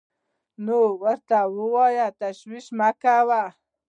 نو راته وويل تشويش مه کړه.